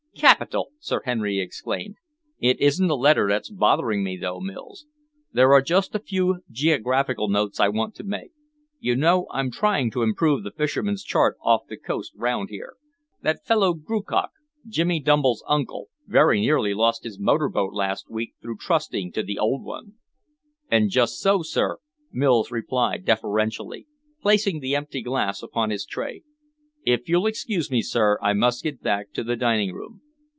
"Capital!" Sir Henry exclaimed. "It isn't a letter that's bothering me, though, Mills. There are just a few geographical notes I want to make. You know, I'm trying to improve the fishermen's chart of the coast round here. That fellow Groocock Jimmy Dumble's uncle very nearly lost his motor boat last week through trusting to the old one." "Just so, sir," Mills replied deferentially, placing the empty glass upon his tray. "If you'll excuse me, sir, I must get back to the dining room."